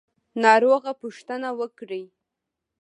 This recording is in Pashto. ناروغه پوښتنه وکړئ